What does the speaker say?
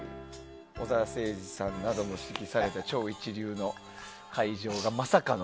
小澤征爾さんなども指揮された超一流の会場がまさかの。